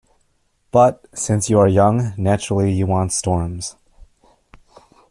But, since you are young, naturally you want storms.